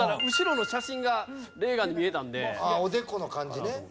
おでこの感じね。